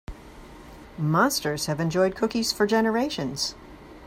Monsters have enjoyed cookies for generations.